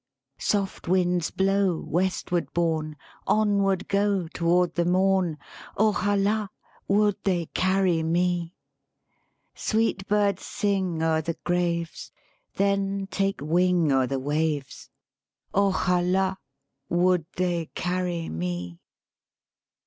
Soft winds blow, Westward born, Onward go Toward the morn. Ojala, would they carry me! Sweet birds sing O'er the graves, Then take wing O'er the waves. Ojala, would they carry me!'